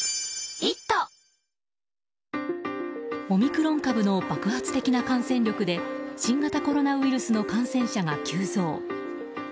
オミクロン株の爆発的な感染力で新型コロナウイルスの感染者が急増。